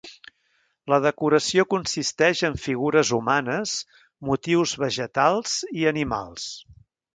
La decoració consisteix en figures humanes, motius vegetals i animals.